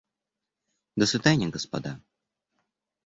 До свидания, господа.